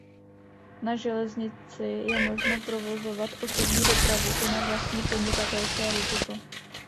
Na železnici je možno provozovat osobní dopravu i na vlastní podnikatelské riziko.